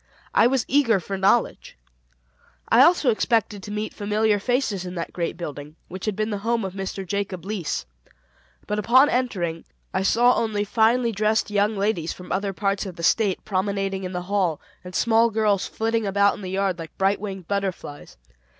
I was eager for knowledge. I also expected to meet familiar faces in that great building, which had been the home of Mr. Jacob Leese. But upon entering I saw only finely dressed young ladies from other parts of the State promenading in the halls, and small girls flitting about in the yard like bright winged butterflies.